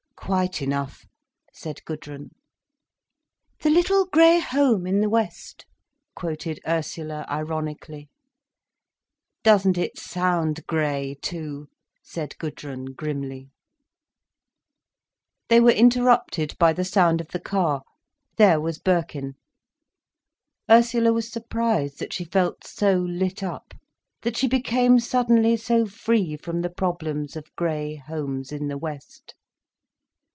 "Quite enough," said Gudrun. "The little grey home in the west," quoted Ursula ironically. "Doesn't it sound grey, too," said Gudrun grimly. They were interrupted by the sound of the car. There was Birkin. Ursula was surprised that she felt so lit up, that she became suddenly so free from the problems of grey homes in the west.